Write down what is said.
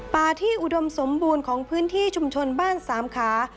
ป่าที่อุดมสมบูรณ์ของพื้นที่ชุมชนบ้านสามขา